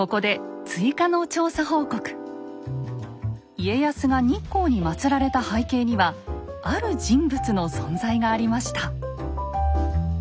家康が日光にまつられた背景にはある人物の存在がありました。